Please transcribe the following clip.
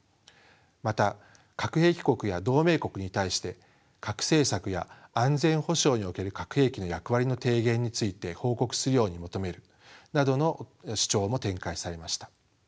また核兵器国や同盟国に対して核政策や安全保障における核兵器の役割の低減について報告するように求めるなどの主張も展開されました。